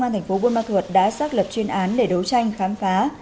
tp bân ma thuột đã xác lập chuyên án để đấu tranh khám phá